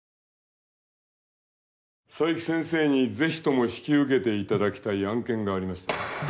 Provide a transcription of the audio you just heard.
佐伯先生に是非とも引き受けていただきたい案件がありましてね。